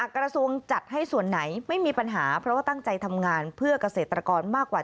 กระทรวงจัดให้ส่วนไหนไม่มีปัญหาเพราะว่าตั้งใจทำงานเพื่อเกษตรกรมากกว่า